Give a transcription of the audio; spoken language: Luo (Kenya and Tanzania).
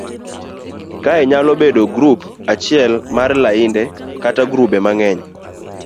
Kae nyalo bedo grup achiel mar lainde kata grube mang'eny